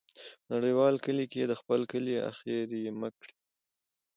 په نړیوال کلي کې د خپل کلی ، اخر یې مه کړې.